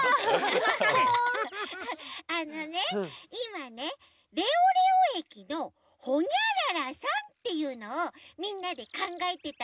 あのねいまね「レオレオえきのほにゃららさん」っていうのをみんなでかんがえてたの。